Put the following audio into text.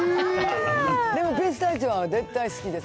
でもピスタチオは絶対好きです。